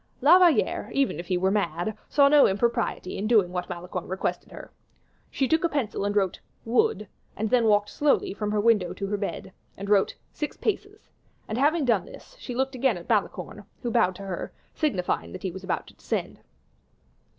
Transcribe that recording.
La Valliere, even if he were mad, saw no impropriety in doing what Malicorne requested her; she took a pencil and wrote "Wood," and then walked slowly from her window to her bed, and wrote, "Six paces," and having done this, she looked out again at Malicorne, who bowed to her, signifying that he was about to descend.